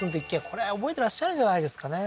これ覚えてらっしゃるんじゃないですかね